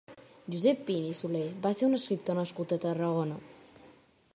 Josep Pin i Soler va ser un escriptor nascut a Tarragona.